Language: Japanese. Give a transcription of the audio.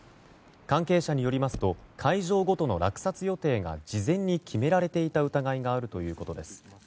関係者によりますと会場ごとの落札予定が事前に決められていた疑いがあるということです。